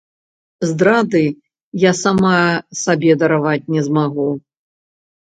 Здрады я сама сабе дараваць не змагу.